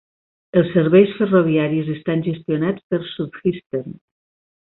Els serveis ferroviaris estan gestionats per Southeastern.